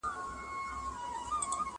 o د صبر کاسه درنه ده٫